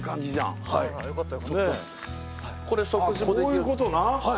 こういうことな。